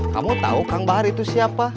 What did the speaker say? kamu tahu kang bahar itu siapa